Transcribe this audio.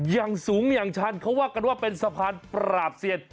อย่างสูงอย่างชันเขาว่ากันว่าเป็นสะพานปราบเซียน